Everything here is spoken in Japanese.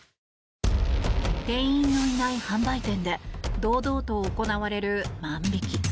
店員のいない販売店で堂々と行われる万引き。